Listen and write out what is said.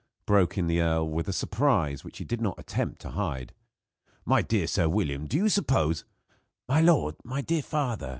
broke in the earl, with a surprise which he did not attempt to hide. "My dear Sir William, do you suppose " "My lord! My dear father